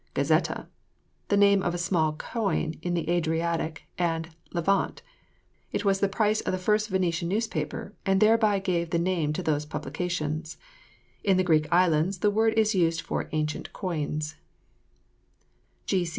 GAZZETTA. The name of a small coin in the Adriatic and Levant. It was the price of the first Venetian newspaper, and thereby gave the name to those publications. In the Greek islands the word is used for ancient coins.